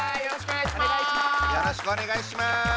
よろしくお願いします！